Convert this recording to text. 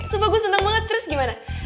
supa gue seneng banget terus gimana